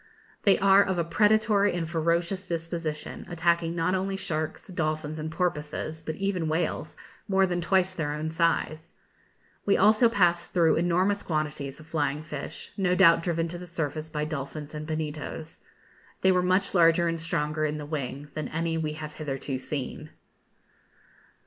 They are of a predatory and ferocious disposition, attacking not only sharks, dolphins, and porpoises, but even whales, more than twice their own size. We also passed through enormous quantities of flying fish, no doubt driven to the surface by dolphins and bonitos. They were much larger and stronger in the wing than any we have hitherto seen.